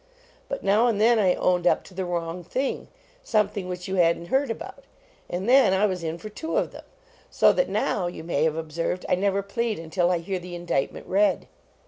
But now and then I owned up to the wrong thing something which you hadn t heard about. And then I was in for two of them. So that now, you may have observed, I never plead until I hear the indictment read."